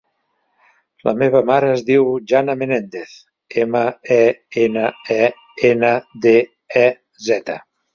La meva mare es diu Jana Menendez: ema, e, ena, e, ena, de, e, zeta.